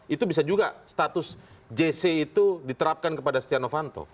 itu bisa juga status jsc itu diterapkan kepada stiano vanto